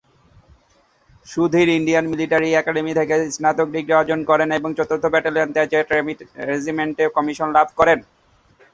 Sudhir Indian military academy থেকে স্নাতক degree অর্জন করেন এবং চতুর্থ ব্যাটালিয়নে দ্য জাট রেজিমেন্টে কমিশন লাভ করেন।